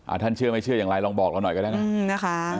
ท่านเชื่อไม่เชื่ออย่างไรลองบอกเราหน่อยก็ได้นะนะคะ